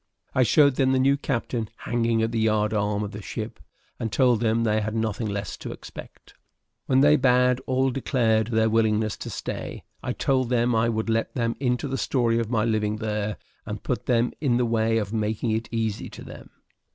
I showed them the new captain hanging at the yard arm of the ship, and told them they had nothing less to expect. When they bad all declared their willingness to stay, I then told them I would let them into the story of my living there, and put them into the way of making it easy to them.